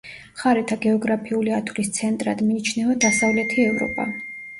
მხარეთა გეოგრაფიული ათვლის ცენტრად მიიჩნევა დასავლეთი ევროპა.